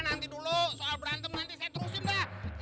nanti dulu soal berantem nanti seterusin dah